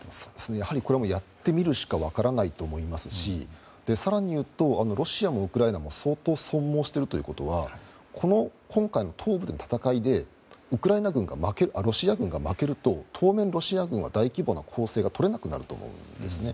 やってみるしか分からないと思うし更に言うとロシアもウクライナも相当、損耗しているということはこの今回の東部の戦いでロシア軍が負けると当面、ロシア軍は大規模な攻勢がとれなくなるんですね。